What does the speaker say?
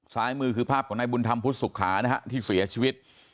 ซ้ายมือคือภาพของนายบุญธรรมพุทธสุขานะฮะที่เสียชีวิต